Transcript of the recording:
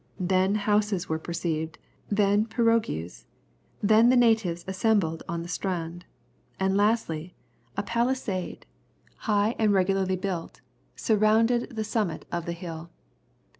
Then houses were perceived, then pirogues, then the natives assembled on the strand. And lastly, a pallisade, high and regularly built, surrounded the summit of the hill.